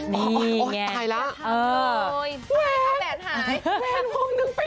นี่ไง